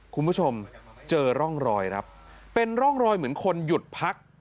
คุณผู้ชมเจอร่องรอยครับเป็นร่องรอยเหมือนคนหยุดพัก